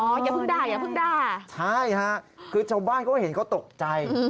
อย่าพึ่งด้าใช่ค่ะคือเจ้าบ้านเขาเห็นเขาตกใจ